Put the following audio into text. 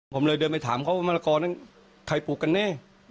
ผมเลยเดินไปถามเขาว่ามะละกอนั้นใครปลูกกันแน่